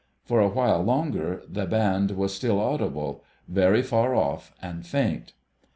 For a while longer the band was still audible, very far off and faint.